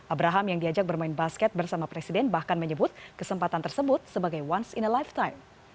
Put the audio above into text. abraham yang diajak bermain basket bersama presiden bahkan menyebut kesempatan tersebut sebagai once in alif time